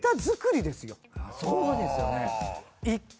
そうですよね。